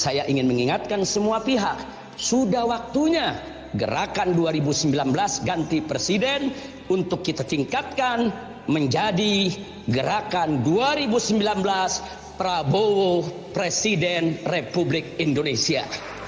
saya ingin mengingatkan semua pihak sudah waktunya gerakan dua ribu sembilan belas ganti presiden untuk kita tingkatkan menjadi gerakan dua ribu sembilan belas prabowo presiden republik indonesia